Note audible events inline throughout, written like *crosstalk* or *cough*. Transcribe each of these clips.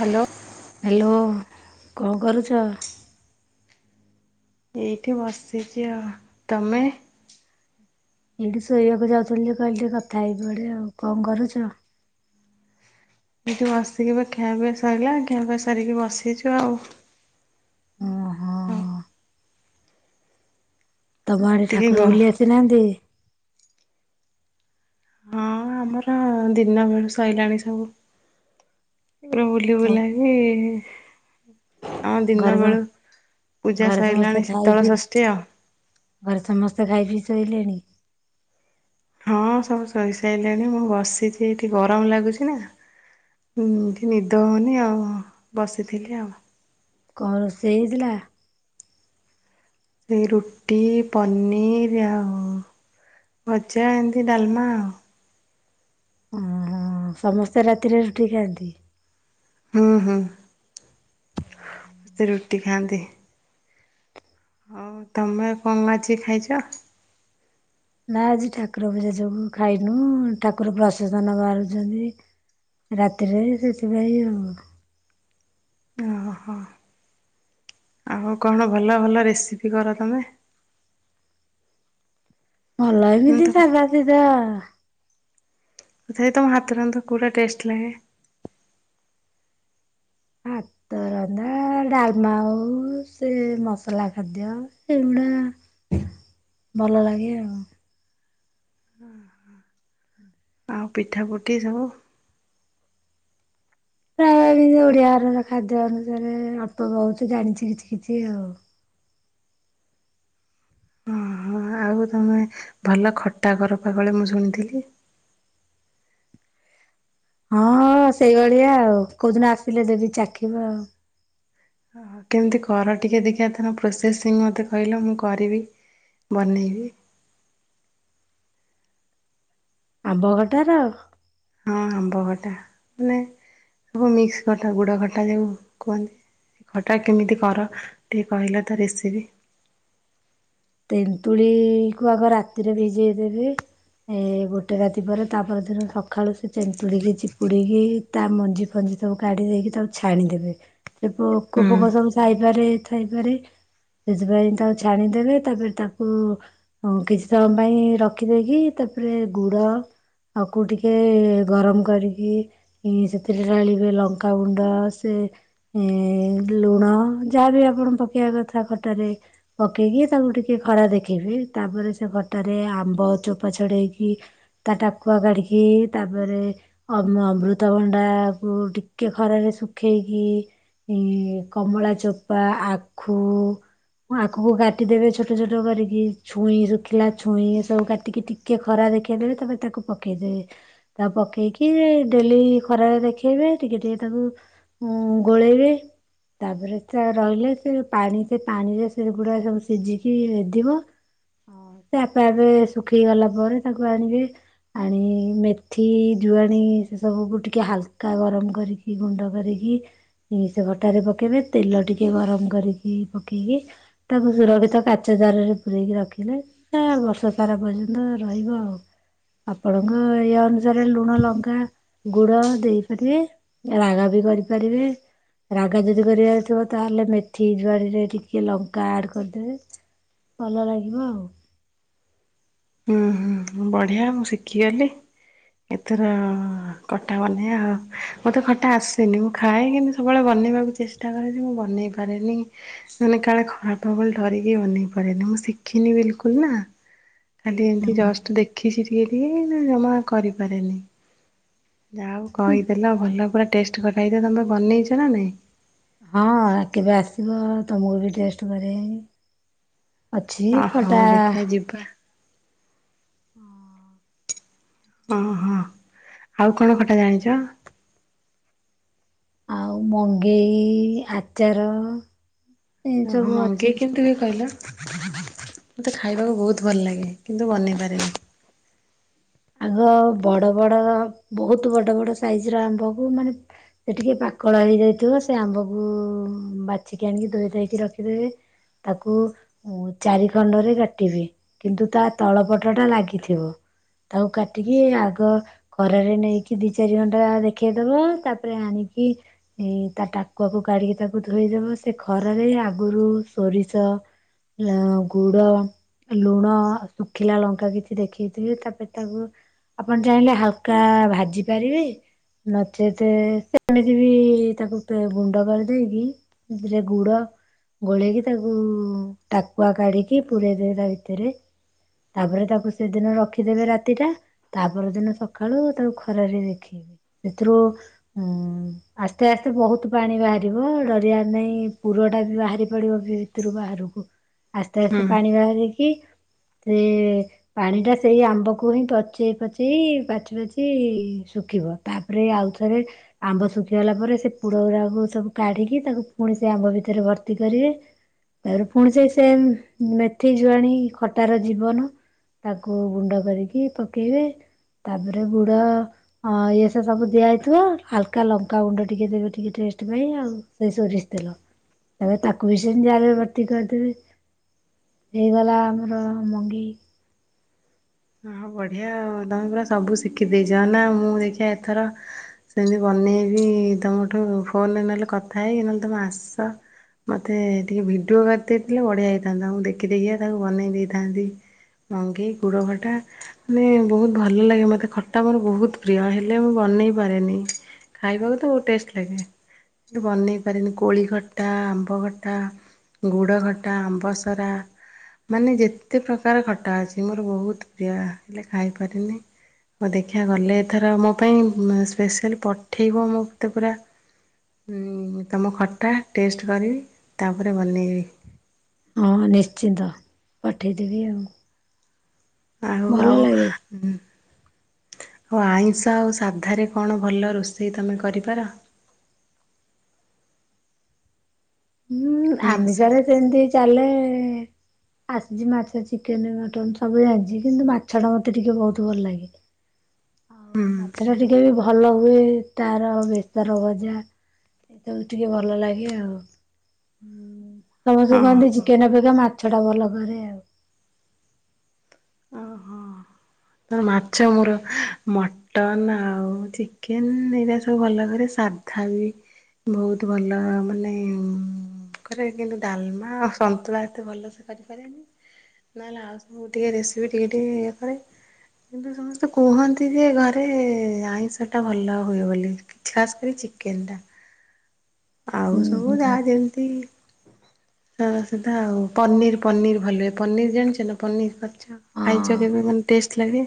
Hello. Hello କଣ କରୁଚ? ଏଇଠି ବସିଚି ଆଉ। ତମେ? ଏଇଠି ଶୋଇବାକୁ ଯାଉଥିଲି ଯେ କହିଲି ଟିକେ କଥା ହେଇ ପଡେ ଆଉ କଣ କରୁଛ? ଏଠି ବସିକି ବା ଖିଆପିଆ ସରିଲା ଖିଆ ପିଆ ସାରିକି ବସିଚୁ ଆଉ। ଓହୋ ହଁ। ତମ ଆଡେ ଟିକେ ଗ ଠାକୁର ବୁଲି ଆସିନାହାନ୍ତି? ହଁ ଆମର ଦିନ ବେଳୁ ସଇଲାଣି ସବୁ। ପୁରା ବୁଲି ତ ବୁଲାକି ହଁ ଘରେ ଦିନେ ସମ ବେଳୁ ପୂଜା ଘରେ ସମସ୍ତେ ସଇଲାଣି ଖାଇ ଶୀତଳ ପିଇ ଷଷ୍ଠୀ ଆଉ। ଘରେ ସମସ୍ତେ ଖାଇ ପିଇ ଶୋଇଲେଣି? ହଁ ସବୁ ଶୋଇସାରିଲେଣି ମୁଁ ବସିଛି ଏଠି ଗରମ ଲାଗୁଛି ନା। ଉଁ ଏଠି ନିଦ ହଉନି ଆଉ ବସିଥିଲି ଆଉ। କଣ ରୋଷେଇ ହେଇଥିଲା? ଏଇ ରୁଟି ପନିର ଆଉ ଭଜା ଏମିତି ଡାଲମା ଆଉ। ଓହୋ ସମସ୍ତେ ରାତିରେ ରୁଟି ଖାଆନ୍ତି? ହୁଁ ହୁଁ। *inaudible* ସେ ରୁଟି ଖାଆନ୍ତି। ଆଉ ତମେ କଣ ଆଜି ଖାଇଛ? ନା ଆଜି ଠାକୁର ପୂଜା ଯୋଗୁ ଖାଇନୁ ଠାକୁର ପ୍ରସେସନ ବାହାରୁଛନ୍ତି। ରାତିରେ ସେଥିପାଇଁ ଆଉ। ଓହୋ। ଆଉ କଣ ଭଲ ଭଲ ରେସିପି କର ତମେ? ଭଲ ହୁଁ ଏମିତି ତମ ସାଧା ସିଧା ତଥାପି ତମ ହାତ ରନ୍ଧା କୋଉଟା ଟେଷ୍ଟ ଲାଗେ? ଭାତ ରନ୍ଧା ଡାଲମା ହଉ ସେ ମସଲା ଖାଦ୍ୟ ଏଗୁଡା। ଭଲ ଲାଗେ ଆଉ। ଓହୋ। ଆଉ ପିଠାପୁଠି ସବୁ ପ୍ରାୟ ଓଡିଆ ଘରର ଖାଦ୍ୟ ଅନୁସାରେ ଅଳ୍ପ ବହୁଛି ଜାଣିଛି କିଛି କିଛି ଆଉ। ଓହୋ ଆଉ ତମେ ଭଲ ଖଟା କର ପା କାଳେ ମୁଁ ଶୁଣିଥିଲି। ହଁ ସେଇଭଳିଆ ଆଉ କୋଉଦିନ ଆସିଲେ ଦେବି ଚାଖିବ ଆଉ। ଅହ କେମିତି କର ଟିକେ ଦେଖିବା ତା ର ପ୍ରୋସେସିଂ ମୋତେ କହିଲ ମୁଁ କରିବି। ବନେଇବି। ଆମ୍ବ ଖଟାର ହଁ ହଁ ଆମ୍ବ ଖଟା ମାନେ ଭୂ ମିକ୍ସି ଖଟା ଗୁଡ଼ ଖଟା ଯେଉଁ କୁହନ୍ତି। ଖଟା କେମିତି କର ଟିକେ କହିଲ ତା ରେସିପି। ତେନ୍ତୁଳି କୁ ଆଗ ରାତିରେ ଭିଜେଇ ଦେବେ ଏ ଗୋଟେ ରାତି ପରେ ତାପର ଦିନ ସକାଳୁ ସେ ଚେନ୍ତୁଳିକି ଚିପୁଡିକି ତା ମଞ୍ଜି ଫଞ୍ଜି ସବୁ କାଢ଼ି ଦେଇକି ତାକୁ ଛାଣିଦେବେ। ସେ ପୋକ ହୁଁ। ଫୋକ ସବୁ ସାଇପାରେ ଥାଇପାରେ ସେଥିପାଇଁ ତାକୁ ଛାଣିଦେବେ ତାପରେ ତାକୁ କିଛି ସମୟ ପାଇଁ ରଖିଦେଇକି ତାପରେ ଗୁଡ ତାକୁ ଟିକେ ଗରମ କରିକି ଏ ସେଥିରେ ଢାଳିବେ ଲଙ୍କାଗୁଣ୍ଡ ସେ ଏ ଲୁଣ ଯାହାବି ଆପଣ ପକେଇବା କଥା ଖଟରେ ପକେଇକି ତାକୁ ଟିକେ ଖରା ଦେଖେଇବେ ତାପରେ ସେ ଖଟାରେ ଆମ୍ବ ଚୋପା ଛଡେଇକି ତା ଟାକୁଆ କାଢ଼ିକି ତା ପରେ ଅମ୍ ଅମୃତଭଣ୍ଡାକୁ ଟିକେ ଖରାରେ ଶୁଖେଇକି ଇ କମଳା ଚୋପା ଆଖୁ ହଁ ଆଖୁକୁ କାଟ୍ ଟିଦେବେ ଛୋଟ ଛୋଟ କରିକି ଛୁଇଁ ଶୁଖିଲା ଛୁଇଁ ଏ ସବୁ କାଟିକି ଟିକେ ଖରା ଦେଖେଇ ଦେବେ ତାପରେ ତାକୁ ପ କେଇଦେବେ ତା ପକେଇକି ଡେଲି ଖରାରେ ଦେଖେଇବେ ଟିକେ ଟିକେ ତାକୁ ହୁଁ ଗୋଳେଇବେ ତାପରେ ତା ରହିଲା ସେ ପାଣି ସେ ପାଣିରେ ସେ ଗୁଡା ସବୁ ଶିଝିକିଧିବ ଆ ସେ ଆପେ ଆପେ ଶୁଖି ଗଲା ପରେ ତାକୁ ଆଣିବେ ଆଣି ମେଥି ଜୁଆଣି ସେ ସବୁକୁ ଟିକେ ହାଲକା ଗରମ କରିକି ଗୁଣ୍ଡ କରିକି ସେ ଖଟାରେ ପକାଇବେ ତେଲ ଟିକେ ଗରମ କରିକି ପକେଇକି ତାକୁ ସୁରକ୍ଷିତ କାଚ ଜାରରେ ପୁରେଇକି ରଖିବେ ତା ବର୍ଷସାରା ପର୍ଯ୍ୟନ୍ତ ରହିବ ଆଉ। ଆପଣଙ୍କ ଇଏ ଅନୁସାରେ ଲୁଣ, ଲଙ୍କା, ଗୁଡ ଦେଇପାରିବେ। ରାଗ ବି କରିପାରିବେ। ରାଗ ଯଦି କରିବାର ଥିବ ତାହେଲେ ମେଥି ଜୁଆଣିରେ ଟିକେ ଲଙ୍କା ଆଡ କରଦେବେ ଭଲ ଲାଗିବ ଆଉ। ହୁଁ ହୁଁ ବଢିଆ ମୁଁ ଶିଖିଗଲି। ଏଥର ଖଟା ବନେବା ଆଉ ମୋତେ ଖଟା ଆସେନି ମୁଁ ଖାଏ କେମତି ସବୁବେଳେ ବନେଇବାକୁ ଚେଷ୍ଟା କର ଯେ ମୁଁ ବନେଇ ପାରେନି ମାନେ କାଳେ ଖରାପ ହବ ବୋଲି ଡରିକି ବନେଇ ପାରେନି ମୁଁ ଶିଖିନି ବିଲକୁଲ ନା ଖାଲି ଏମିତି ଜଷ୍ଟ ଦେଖି ଶିଖିଯାଇଥିଲି ନା ମୁଁ ଆଉ କରିପାରେନି। ଯାହା ହଉ କହିଦେଲ ଭଲ ପୁରା ଟେଷ୍ଟ ବନେଇଛ ତମେ ବନେଇଛ ନା ନାଇଁ? ହଁ କେବେ ଆସିବ ତମକୁ ବି ଟେଷ୍ଟ କରେଇବି। ଅଛି ଖଟା ଯିବା‌। ହଁ। ଅ ହଁ ହଁ ଆଉ କଣ ଖଟା ଜାଣିଛ? ଆଉ ମଙ୍ଗେଇ ଆଚାର ଏ ଓ ହୋ ସବୁ ଅଛି ମଙ୍ଗେଇ କେମତି ହୁଏ କହିଲ? ମୋତେ ଖାଇବାକୁ ବହୁତ ଭଲ ଲାଗେ କିନ୍ତୁ ବନେଇ ପାରେନି। ଆଗ ବଡ଼ ବଡ଼ ବହୁତ ବଡ଼ ବଡ଼ ସାଇଜର ଆମ୍ବକୁ ମାନେ ଏଟିକେ ପାକଳ ହେଇଯାଇଥିବ ସେ ଆମ୍ବକୁ ବାଛିକି ଆଣିକି ଧୋଇଧାଇକି ରଖିଦେବେ ତାକୁ ଓ ଚାରି ଖଣ୍ଡରେ କାଟିବେ କିନ୍ତୁ ତା ତଳପଟଟା ଲାଗିଥିବ। ତାକୁ କାଟିକି ଆଗ ଖରାରେ ନେଇକି ଦି ଚାରି ଘଣ୍ଟା ଦେଖେଇଦବ ତାପରେ ଆଣିକି ଏଇ ତା ଟାକୁଆକୁ କାଢିକି ତାକୁ ଧୋଇଦବ। ସେ ଖରାରେ ଆଗରୁ ସୋରିଷ ଗୁଡ, ଲୁଣ, ଶୁଖିଲା ଲଙ୍କା କିଛି ଦେଖେଇଥିବେ ତାପରେ ତାକୁ ଆପଣ ଚାହିଁଲେ ହାଲୁକା ଭାଜି ପାରିବେ ନଚେତ୍ ସେ *unintelligible* ତାକୁ ଗୁଣ୍ଡ କରିଦେଇକି ଏଥିରେ ଗୁଡ଼ ଗୋଳେଇକି ତାକୁ ଟାକୁଆ କାଢିକି ପୁରେଇଦେବେ ତା ଭିତରେ ତାପରେ ତାକୁ ସେଦିନ ରଖିଦେବେ ରାତି ରାତିଟା ତା ପରଦିନ ସକାଳୁ ତାକୁ ଖରାରେ ଦେଖେଇବି ସେଥିରୁ ଉଁ ଆସ୍ତେ ଆସ୍ତେ ବହୁତ ପାଣି ବାହାରିବ ଡରିଆର ନାହିଁ ପୁରଟା ବି ବାହାରି ପଡିବ ବି *unintelligible* ଆସ୍ତେ ହୁଁ ଆସ୍ତେ ପାଣି ବାହାରିକି ସେ ପାଣିଟା ସେଇ ଆମ୍ବ ତାକୁ ହିଁ ପଚେଇପଚେଇ ପାଚିପାଚି ଶୁଖିବ ତାପରେ ଆଉଥରେ ଆମ୍ବ ଶୁଖିଗଲା ପରେ ସେ ପୁରଗୁଡାକୁ ସବୁ କାଢିକି ତାକୁ ପୁଣି ସେ ଆମ୍ବ ଭିତରେ ଭର୍ତ୍ତି କରିବେ ତାପରେ ପୁଣି ସେ ସେମ୍ ମେଥି, ଜୁଆଣି ଖଟାର ଜୀବନ। ତାକୁ ଗୁଣ୍ଡ କରିକି ପକେଇବେ। ତାପରେ ଗୁଡ ହଁ ଏସବୁ ଦିଆହେଇଥିବ ହାଲୁକା ଲଙ୍କାଗୁଣ୍ଡ ଟିକେ ଦେବେ ଟିକେ ଟେଷ୍ଟ ପାଇଁ ଆଉ ସେ ସୋରିଷତେଲ ତାପରେ ତାକୁ ବି ସେମତି ଜାରରେ ଭର୍ତ୍ତି କରିଦେବି ହେଇଗଲା ଆମର ମଙ୍ଗେଇ। ହ ବଢିଆ ଆଉ ତମେ ପୁରା ସବୁ ଶିଖିଦେଇଚ ନା ମୁଁ ଦେଖିବା ଏଥର ସେମିତି ବନେଇବି ତମଠୁ ଫୋନରେ ନହେଲେ କଥା ହେଇ ନହେଲେ ତମେ ଆସ ମୋତେ ଟିକେ ଭିଡ଼ିଓ କରିଦେଇଥିଲେ ବଢ଼ିଆ ହେଇଥାନ୍ତା ମୁଁ ଦେଖି ଦେଖି ତାକୁ ବନେଇ ଦେଇଥାନ୍ତି। ମଙ୍ଗେଇ ଗୁଡ଼ଖ ଖଟା ମାନେ ବହୁତ ଭଲ ଲାଗେ ମୋତେ ଖଟା ମୋର ବହୁତ ପ୍ରିୟ ହେଲେ ମୁଁ ବନେଇ ପାରେନି। ଖାଇବାକୁ ତ ବହୁତ ଟେଷ୍ଟ ଲାଗେ କିନ୍ତୁ ବନେଇପାରେନି କୋଳି ଖଟା, ଆମ୍ବ ଖଟା ଗୁଡ଼ ଖଟା, ଆମ୍ବସରା ମାନେ ଯେତେ ପ୍ରକାର ଖଟା ଅଛି ମୋର ବହୁତ ପ୍ରିୟା ହେଲେ ଖାଇପାରିନି ମୋ ଦେଖିଆ ଗଲେ ଏଥର ମୋ ପାଇଁ ସ୍ପେଶାଲ୍ ପଠେଇବ ମୋତେ ପୁରା ତମ ଖଟା ଟେଷ୍ଟ କରିବି ତାପରେ ବନେଇବି ହଁ ନିଶ୍ଚିତ ପଠେଇଦେବି ଆଉ। ଆଉ ଭଲ ଆଉ ଲାଗେ। ଆଉ ଆଇଁଷ ଆଉ ସାଧାରେ କଣ ଭଲ ରୋଷେଇ ତମେ କରିପାର? ହୁଁ ଆଇଁଷ ଆମିଷରେ ସେମିତି ଚାଲେ ଆସିଚି ମାଛ ଚିକେନ ମଟନ ସବୁ ଜାଣିଚି କିନ୍ତୁ ମାଛ ଟା ମତେ ଟିକେ ବହୁତ ଭଲ ଲାଗେ। ଆଉ ହୁଁ ମାଛର ଟିକେ ବି ଭ ଭଲ ହୁଏ ତାର ବେସର ଭଜା ଏସବୁ ଟିକେ ଭଲ ଲାଗେ ଆଉ। ହୁଁ ସମସ୍ତେ କୁହନ୍ତି ଓହୋ ଚିକେନ ଅପେକ୍ଷା ମାଛ ଟା ଭଲ କରେ ଆଉ। ଓହୋ। ତ ମାଛ ମୋର ମ ମଟନ ଆଉ ଚିକେନ ଏଇଟା ସବୁ ଭଲ କରେ ସାଧା ବି ବହୁତ ଭଲ ମାନେ କରେ କିନ୍ତୁ ଡାଲମା ଆଉ ସନ୍ତୁଳା ଏତେ ଭଲସେ କରିପାରେନି। ନହେଲେ ଆଉ ସବୁ ଟିକିେ ରେସିପିି ଟିକେ ଟିକେ ଇଏ କରେ। କିନ୍ତୁ ସମସ୍ତେ କୁହନ୍ତି ଯେ ଘରେ ଆଇଁଷ ଟା ଭଲ ହୁଏ ବୋଲି। ଖାସ୍ କରି ଚିକେନ ଟା। *inaudible* ଆଉ ହୁଁ ସବୁ ଯା ହୁଁ ଯେମିତି ହଁ ସେଟା ଆଉ ପନିର ପନିର ଭଲ ହୁଏ ପନିର ଜାଣିଚ ନା ପନିର ପଛ ଖାଇଚ ହଁ କେବେ ମାନେ ଟେଷ୍ଟ ଲାଗେ।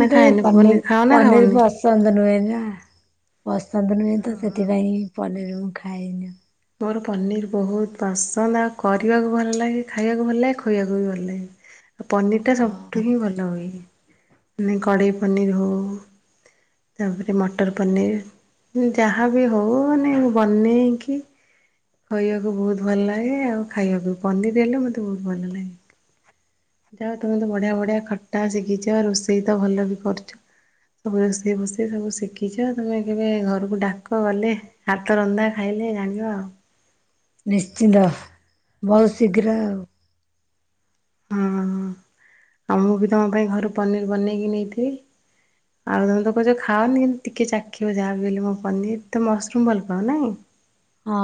ନା ଏ ଖାଏନି ପନିର ପନୀର ଖାଅ ନା ପନିର ଖାଅନି? ପସ୍ ଚନ୍ଦନ ନୁହେଁ ନା ପସନ୍ଦ ନୁହେଁ ତ ଓହୋ ସେଥିପାଇଁ ପନିର୍ ମୁଁ ଖାଏନି। ମୋର ପନିର ବହୁତ ପସନ୍ଦ ଆଉ କରିବାକୁ ଭଲ ଲାଗେ ଖାଇବାକୁ ଭଲ ଲାଗେ ଖୁଆବାକୁ ବି ଭଲ ଲାଗେ। ଆଉ ପନିର ଟା ହଁ ସବୁଠୁ ହିଁ ଭଲ ହୁଏ ମାନେ କଡ଼େଇ ପନିର ହଉ ତାପରେ ମଟର ପନିର୍ ଯାହା ବି ହଉ ମାନେ ବନେଇକି ଖୋଇବାକୁ ବହୁତ ଭଲ ଲାଗେ ଆଉ ଖାଇବାକୁ ପନିର ହେଲେ ମତେ ବହୁତ ଭଲ ଲାଗେ। ଯା ହୋଉ ତମେ ତ ବଢିଆ ବଢିଆ ଖଟା ଶିଖିଚ ଆଉ ରୋଷେଇ ତ ଭଲ ବି କରୁଛ। ସବୁ ରୋଷେଇ ଫୋଷେଇ ସବୁ ଶିଖିଚ ତମେ କେବେ ଘରକୁ ଡାକ ଗଲେ? ହାତ ରନ୍ଧା ଖାଇଲେ ଜାଣିବ ଆଉ। ନିଶ୍ଚିନ୍ତ ବହୁତ ଶୀଘ୍ର ଆଉ। ହଁଁ ଆଉ ମୁଁ ବି ତମ ପାଇଁ ଘରୁ ପନିର୍ ବନେଇକି ନେଇଥିବି। ଆଉ ତମେ ତ କୋହୁଚ ଖାଅନି କିନ୍ତୁ ଟିକିେ ଚାଖିବ ଯାହାବି ହେଲେ ମୋ ପନିର ତ ମସରୁମ୍ ଭଲ ପାଓ ନାଇ। ହଁ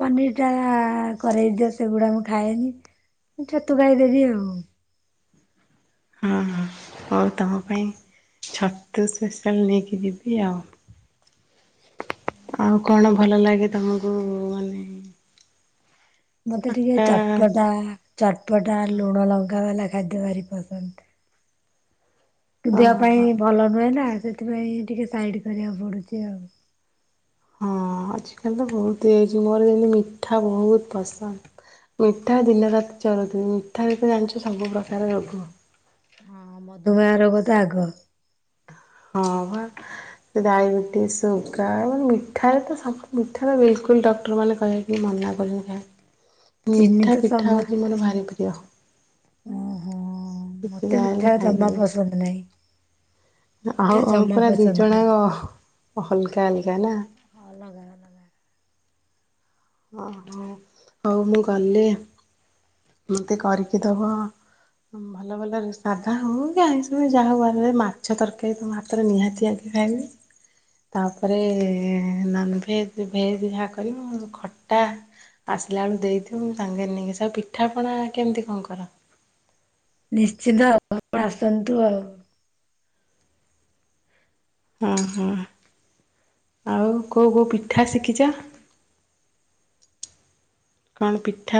ପନିର ଟା କରେଇ ଦିଅ ସେଗୁଡା ମୁଁ ଖାଏନି। ମୁଁ ଛତୁ ଗାଇଦେବି ଆଉ। ହଁ ହଁ ହଉ ତମ ପାଇଁ ଛତୁ ସ୍ପେଶାଲ ନେଇକି ଯିବି ଆଉ। ଆଉ କଣ ଭଲ ଲାଗେ ତମକୁ ମାନେ? ମତେ ଟିକେ ଖଟା ଚଟପଟା ଚଟପଟା ଲୁଣ ଲଙ୍କା ବାଲା ଖାଦ୍ୟ ଭାରି ପସନ୍ଦ। ଦେହ ଓହୋ। ପାଇଁ ଭଲ ନୁହେଁ ନା ସେଥିପାଇଁ ଟିକେ ସାଇଡ କରିବାକୁ ପଡ଼ୁଚି ଆଉ। ହଁ ଆଜିକାଲି ତ ବହୁତ ଏ ଯୁଗରେ ମିଠା ବହୁତ ପସନ୍ଦ। ମିଠା ଦିନରାତି ଚରୁଥିମି ମିଠା ରେ ତ ଜାଣିଚ ସବୁ ପ୍ରକାର ରୋଗ। ହଁ ମଧୁମେହ ରୋଗ ତ ଆଗ। ହଁ ପା। ସେ ଡାଇବେଟିସ୍ ସୁଗାର ମାନେ ମିଠାରେ ତ ସବୁ ମିଠା ବିଲକୁଲ ଡକ୍ଟର ମାନେ କହ *unintelligible* ଏ ମନା କରୁଚନ୍ତି ଖାଇବାକୁ। *inaudible* ମିଠା, ତ ପିଠା ସମ ହେଉଚି ମୋର ଭାରି ପ୍ରିୟ। ଓହୋ ଯେତେ ମତେ ଯାହା ହେଲେ ମିଠା ଜମା ଖାଇଦେବି। ପସନ୍ଦ ନାହିଁ। ଆଉ ମିଠା ଆମ ଜମା ପରା ପସନ୍ଦ ନାହିଁ ଦିଜଣଯାକ ଅଲଗା ଅଲଗା ନା? ହଁ ଲଗା ଲଗା ଓ ହୋ ହଉ ମୁଁ ଗଲେ ମୋତେ କରିକି ଦବ ଭଲ ଭଲରେ ସାଧା ହଉ କି ଆଇଁସ ଯାହା କଲେ ମାଛ ତର୍କାରୀ ତମ ହାତରେ ନିହାତି ଆ ତୁ ଖାଇଲୁଣୀ? ତାପରେ ନନଭେଜ ଭେଜ ଯାହା କରିବୁ ଖଟା ଆସିଲା ବେଳୁ ଦେଇଥିବୁ ମୁ ସାଙ୍ଗରେ ନେଇକି ଆସିବି ଆଉ ପିଠାପଣା କେମିତି କଣ କର? ନିଶ୍ଚିନ୍ତ ଆଉ ଆପଣ ଆସନ୍ତୁ ଆଉ। ହୁଁ ହୁଁ। ଆଉ କୋଉ କୋଉ ପିଠା ଶିଖିଚ? କଣ ପିଠା?